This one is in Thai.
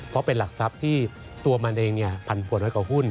เพราะเป็นหลักทรัพย์ที่ตัวมันเองผันผวนน้อยกว่าหุ้น